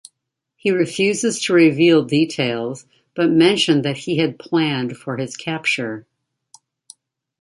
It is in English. He refuses to reveal details, but mentions that he planned for his capture.